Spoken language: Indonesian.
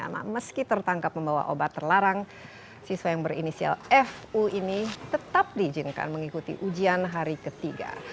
karena meski tertangkap membawa obat terlarang siswa yang berinisial fu ini tetap diizinkan mengikuti ujian hari ketiga